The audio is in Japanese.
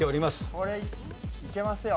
これいけますよ。